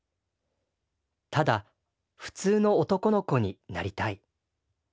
「ただ普通の男の子になりたい。